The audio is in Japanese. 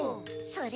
それ！